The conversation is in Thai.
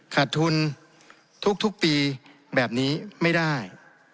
ขาดทุนทุกปีแบบนี้ไม่ได้